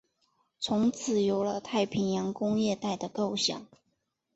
从此有了太平洋工业带的构想。